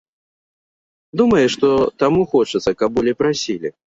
Думае, што таму хочацца, каб болей прасілі.